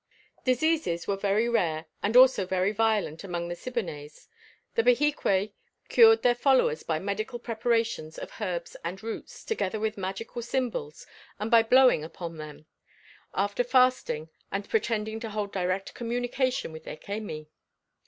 Diseases were very rare and also very violent among the Siboneyes; the Behique cured their followers by medical preparations of herbs and roots, together with magical symbols and by blowing upon them; after fasting and pretending to hold direct communication with their Cemi.